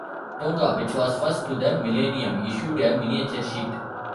Tonga - which was 'first to the millennium', issued a miniature sheet.